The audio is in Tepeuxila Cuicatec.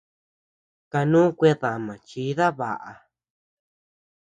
Kanu kuedama chida baʼa.